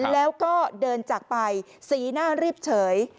แล้วก็เดินจากไปสีหน้าเรียบเฉย